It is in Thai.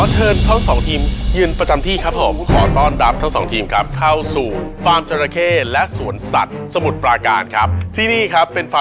ต่อเต่าโรคตับแข็งอ่า